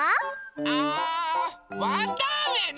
あわたあめね！